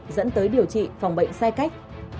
dẫn tới điều trị phòng bệnh sai cách